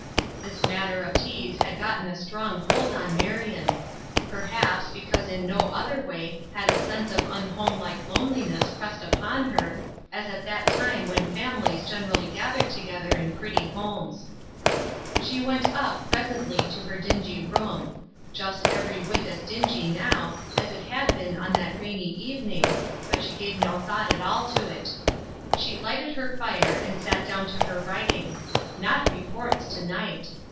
This matter of "teas" had gotten a strong hold on Marion. Perhaps, because in no other way had a sense of unhomelike loneliness pressed upon her, as at that time when families generally gathered together in pretty homes. She went up, presently, to her dingy room. Just every whit as dingy now, as it had been on that rainy evening, but she gave no thought at all to it. She lighted her fire, and sat down to her writing; not reports to night.